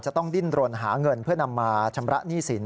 ต้องดิ้นรนหาเงินเพื่อนำมาชำระหนี้สิน